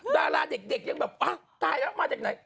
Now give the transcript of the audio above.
ดาราเด็กยังแบบตายแล้วมาจากไหน